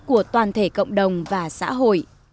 của toàn thể cộng đồng và xã hội